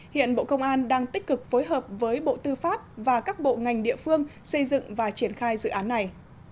hiện bộ công an đang tích cực phối hợp với bộ tư pháp và các bộ ngành địa phương xây dựng và triển khai dự án này